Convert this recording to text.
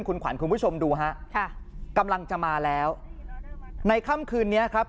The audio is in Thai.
คุณขวัญคุณผู้ชมดูฮะค่ะกำลังจะมาแล้วในค่ำคืนนี้ครับ